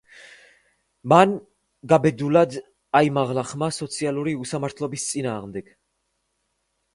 მან გაბედულად აიმაღლა ხმა სოციალური უსამართლობის წინააღმდეგ.